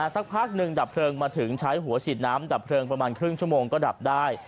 สักพักหนึ่งดับเพลิงมาถึงใช้หัวฉีดน้ำดับเพลิงประมาณครึ่งชั่วโมงก็ดับได้